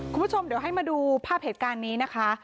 คุณผู้ชมเดี๋ยวให้มาดูภาพเหตุการณ์นี้นะคะ